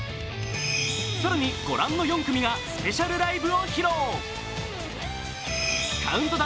更に、ご覧の４組がスペシャルライブを披露。